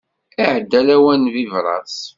Iɛedda lawan n bibras.